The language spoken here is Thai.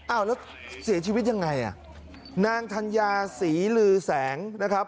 อ้าวแล้วเสียชีวิตยังไงอ่ะนางธัญญาศรีลือแสงนะครับ